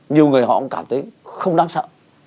nhiều người họ cũng cảm thấy không đáng sợ